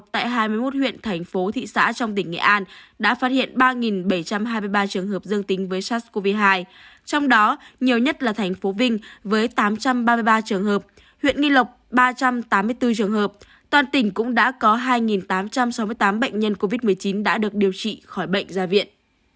tại hai mươi một huyện thành phố thị xã trong tỉnh nghệ an đã phát hiện ba bảy trăm hai mươi ba trường hợp dương tính với sars cov hai trong đó nhiều nhất là thành phố vinh với tám trăm ba mươi ba trường hợp huyện nghi lộc ba trăm tám mươi bốn trường hợp toàn tỉnh cũng đã có hai tám trăm sáu mươi tám bệnh nhân covid một mươi chín đã được điều trị khỏi bệnh ra viện